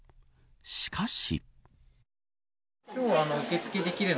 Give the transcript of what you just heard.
しかし。